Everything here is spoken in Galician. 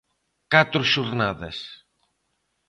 Catro xornadas.